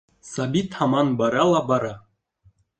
Сабит һаман бара ла бара.